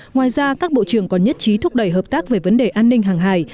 ngoài ra các bộ trưởng còn nhất trí thúc đẩy hợp tác về vấn đề an ninh hàng hải